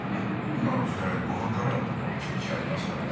今の時代防犯カメラというのはあちこちにありますからね。